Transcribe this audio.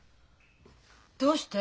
どうして？